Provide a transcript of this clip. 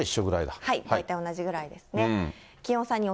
大体同じぐらいですね。